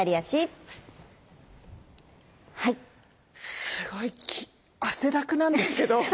すごい汗だくなんですけど。